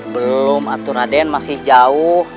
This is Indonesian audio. belum raden masih jauh